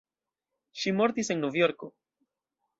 Ŝi mortis en Novjorko.